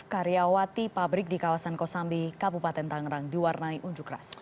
karyawati pabrik di kawasan kosambi kabupaten tangerang di warnai unjukras